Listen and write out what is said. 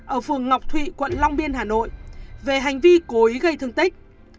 ở phường ngọc thụy quận long biên hà nội về hành vi cố ý gây thương tích